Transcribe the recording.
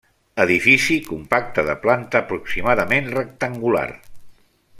Edifici compacte de planta aproximadament rectangular.